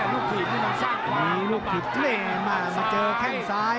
นี่ลูกถีดมาเจอแข้งซ้าย